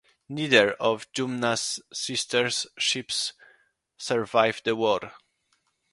Neither of "Jumna"s sister ships survived the war.